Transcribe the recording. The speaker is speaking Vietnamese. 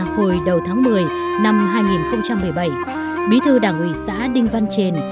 hồi đầu tháng một mươi năm hai nghìn một mươi bảy bí thư đảng ủy xã đinh văn trền